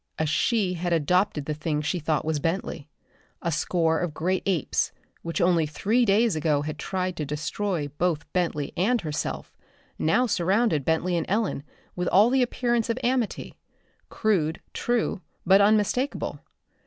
A she had adopted the thing she thought was Bentley. A score of great apes, which only three days ago had tried to destroy both Bentley and herself, now surrounded Bentley and Ellen with all the appearance of amity crude, true, but unmistakable.